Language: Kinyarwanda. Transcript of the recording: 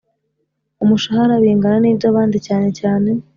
Umushahara Bingana N Iby Abandi Cyane Cyane